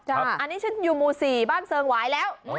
อันนี้ฉันอยู่หมู่๔บ้านเซิงหวายแล้ว